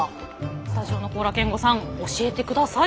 スタジオの高良健吾さん教えてください。